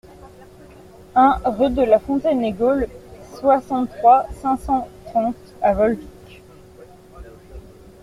un rue de la Fontaine Egaules, soixante-trois, cinq cent trente à Volvic